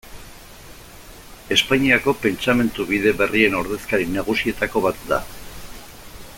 Espainiako pentsamendu-bide berrien ordezkari nagusietako bat da.